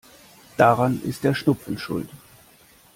Daran ist der Schnupfen schuld.